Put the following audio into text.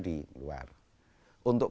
di luar untuk